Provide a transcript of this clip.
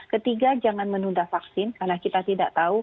ketiga jangan menunda vaksin karena kita tidak tahu